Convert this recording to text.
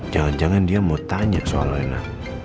jangan jangan dia mau tanya soal anak